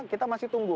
kita masih tunggu